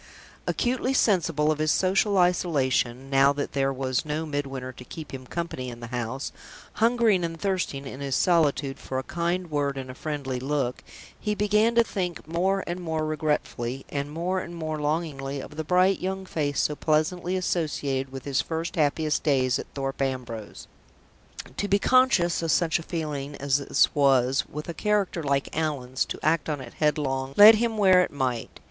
Acutely sensible of his social isolation, now that there was no Midwinter to keep him company in the empty house, hungering and thirsting in his solitude for a kind word and a friendly look, he began to think more and more regretfully and more and more longingly of the bright young face so pleasantly associated with his first happiest days at Thorpe Ambrose. To be conscious of such a feeling as this was, with a character like Allan's, to act on it headlong, lead him where it might.